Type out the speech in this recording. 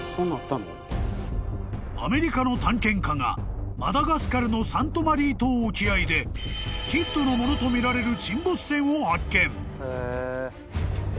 ［アメリカの探検家がマダガスカルのサント・マリー島沖合でキッドのものとみられる］